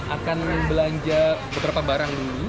akan belanja beberapa barang dulu